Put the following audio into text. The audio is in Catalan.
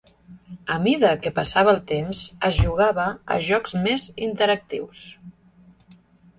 A mida que passava el temps, es jugava a jocs més interactius.